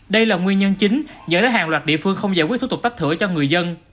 đây là nguyên nhân chính dẫn đến hàng loạt địa phương không giải quyết thủ tục tách thửa cho người dân